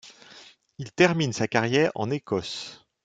Il termine sa carrière en Écosse.